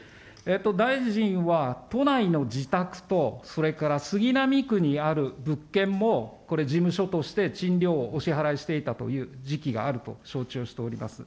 大臣は都内の自宅と、それから杉並区にある物件も、これ、事務所として賃料をお支払いしていたという時期があると承知をしております。